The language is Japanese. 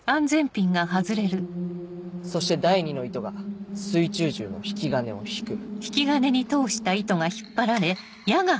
そして第２の糸が水中銃の引き金を引く。